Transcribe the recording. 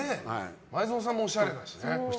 前園さんもおしゃれですしね。